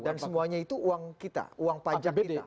dan semuanya itu uang kita uang pajak kita